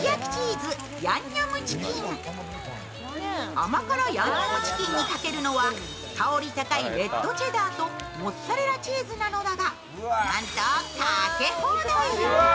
甘辛ヤンニョムチキンにかけるのは香り高いレッドチェダーとモッツァレラチーズなのだが、なんと、かけ放題。